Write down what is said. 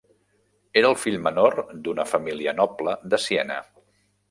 Era el fill menor d'una família noble de Siena.